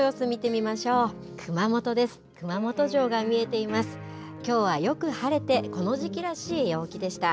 きょうはよく晴れてこの時期らしい陽気でした。